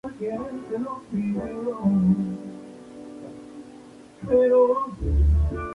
Se encuentra en la India: Jammu y Cachemira.